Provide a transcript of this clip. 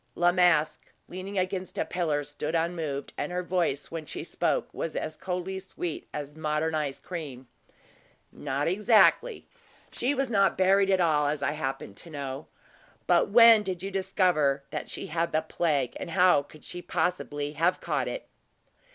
La Masque, leaning against a pillar, stood unmoved; and her voice, when she spoke, was as coldly sweet as modern ice cream. "Not exactly. She was not buried at all, as I happen to know. But when did you discover that she had the plague, and how could she possibly have caught it?"